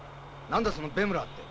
何だそのベムラーって。